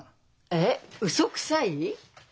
えっウソくさい？